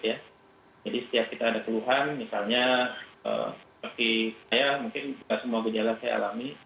jadi setiap kita ada keluhan misalnya seperti saya mungkin bukan semua gejala saya alami